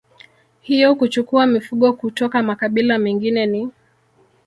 hiyo kuchukua mifugo kutoka makabila mengine ni